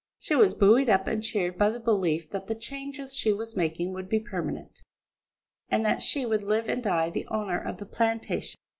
She was buoyed up and cheered by the belief that the changes she was making would be permanent, and that she would live and die the owner of the plantation.